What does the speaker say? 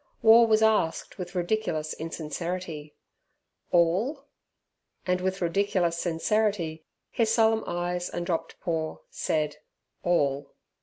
War was asked with ridiculous insincerity, "All?" and with ridiculous sincerity his solemn eyes and dropped paw said "All".